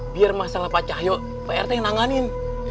biar masalah pak cahyo pak rt nangganin